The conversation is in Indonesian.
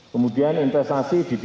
jangan sampai ke daerah asing